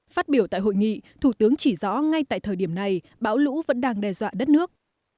phát biểu tại hội nghị thủ tướng chỉ rõ ngay tại thời điểm này bão lũ vẫn đang đe dọa đất nước